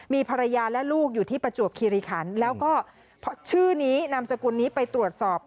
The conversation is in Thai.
มีภรรยาและลูกอยู่ที่ประจวบคิริคันแล้วก็ชื่อนี้นามสกุลนี้ไปตรวจสอบ